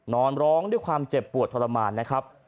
นอนร้องด้วยความเจ็บปวดทรมานนะครับ